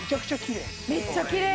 めっちゃきれい。